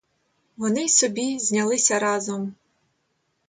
Вони й собі знялися разом.